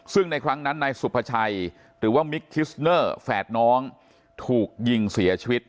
ซึ่งในครั้งนั้นนายสุภาชัยหรือว่ามิกคิสเนอร์แฝดน้องถูกยิงเสียชีวิต